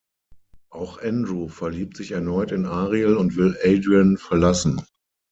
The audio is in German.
Auch Andrew verliebt sich erneut in Ariel und will Adrian verlassen.